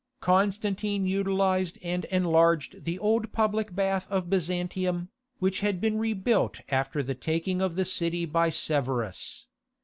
Constantine utilized and enlarged the old public bath of Byzantium, which had been rebuilt after the taking of the city by Severus.